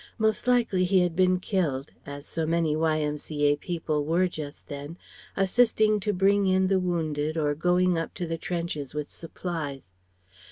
Most likely he had been killed as so many Y.M.C.A. people were just then, assisting to bring in the wounded or going up to the trenches with supplies.